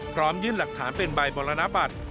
พร้อมยื่นหลักฐานเป็นใบมรณบัตร